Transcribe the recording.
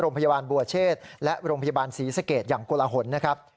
โรงพยาบาลบัวเชษและโรงพยาบาลศรีสเกตอย่างกลหลนะครับ